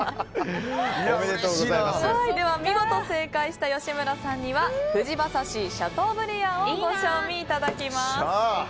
では、見事正解した吉村さんにはふじ馬刺しシャトーブリアンをご賞味いただきます。